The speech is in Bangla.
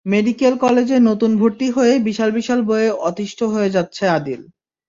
মেডিকেল কলেজে নতুন ভর্তি হয়েই বিশাল বিশাল বইয়ে অতিষ্ঠ হয়ে যাচ্ছে আদিল।